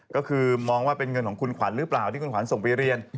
ก็คือมองว่าเป็นเงินของคุณขวัญหรือเปล่าที่คุณขวัญส่งไปเรียน